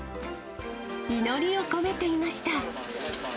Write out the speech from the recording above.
祈りを込めていました。